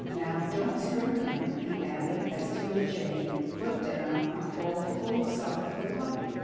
" Now don't scrimp him," he added, as 'Tilda Jane put down a bowl full of supper for the puppy.